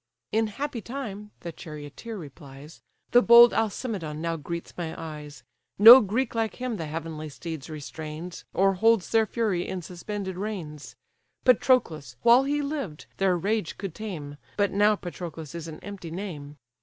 "In happy time (the charioteer replies) The bold Alcimedon now greets my eyes; No Greek like him the heavenly steeds restrains, Or holds their fury in suspended reins: Patroclus, while he lived, their rage could tame, But now Patroclus is an empty name!